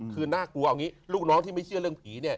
คือน่ากลัวลูกน้องที่ไม่เชื่อเรื่องผี